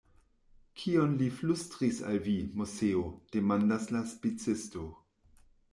Kion li flustris al vi, Moseo? demandas la spicisto.